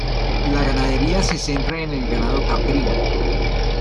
La ganadería se centra en el ganado caprino.